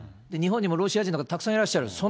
日本にもロシア人の方、たくさんいらっしゃる。